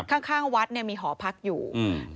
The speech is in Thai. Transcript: ข้างข้างวัดเนี่ยมีหอพักอยู่อืม